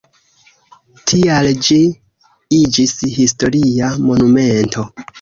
Tial ĝi iĝis historia monumento.